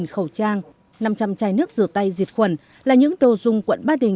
năm khẩu trang năm trăm linh chai nước rửa tay diệt khuẩn là những đồ dùng quận ba đình